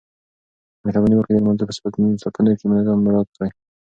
مهرباني وکړئ د لمانځه په صفونو کې نظم مراعات کړئ.